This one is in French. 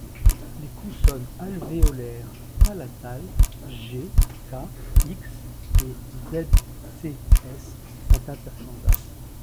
Les consonnes alvéolaires palatales g, k, x et z, c, s sont interchangeables.